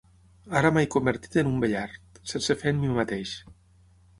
Ara m'he convertit en un vellard, sense fe en mi mateix.